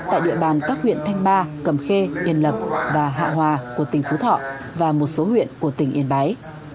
tại địa bàn các huyện thanh ba cầm khê yên lập và hạ hòa của tỉnh phú thọ và một số huyện của tỉnh yên bái